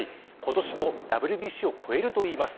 今年のＷＢＣを超えるといいます。